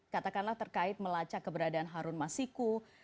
katakanlah terkait melacak keberadaan harun masiku